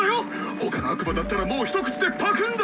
他の悪魔だったらもう一口でパクンだ！